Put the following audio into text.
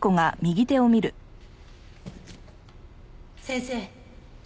先生。